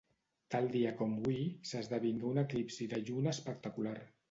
Tal dia com hui, s'esdevingué un eclipsi de lluna espectacular.